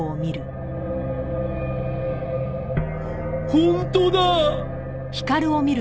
本当だ！